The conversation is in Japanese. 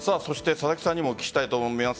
佐々木さんにもお聞きしたいと思います。